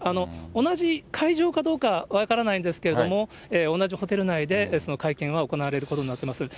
同じ会場かどうか分からないんですけれども、同じホテル内で会見は行われることになっています。